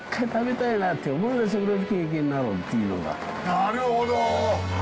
なるほど！